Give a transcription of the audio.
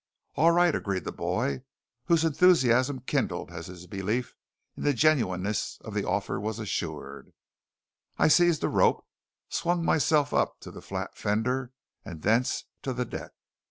"All right," agreed the boy, whose enthusiasm kindled as his belief in the genuineness of the offer was assured. I seized a rope, swung myself up to the flat fender, and thence to the deck.